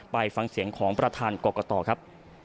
ไปฟังเสียงของประธานกรกตครับ